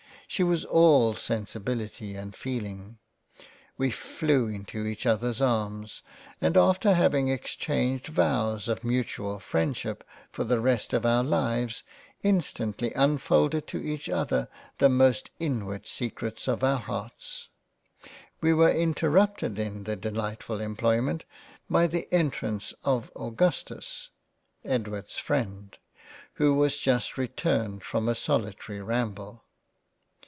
She was all sensibility and Feeling. We flew into each others arms and after having exchanged vows of mutual Freindship for the rest of our Lives, instantly unfolded to each other the most inward secrets of our Hearts —. We were interrupted in the delightfull Employment by the entrance of Augustus, (Edward's freind) who was just returned from a solitary ramble.